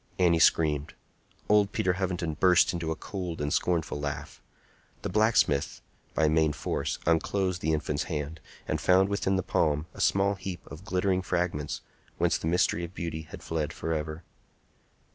Annie screamed. Old Peter Hovenden burst into a cold and scornful laugh. The blacksmith, by main force, unclosed the infant's hand, and found within the palm a small heap of glittering fragments, whence the mystery of beauty had fled forever.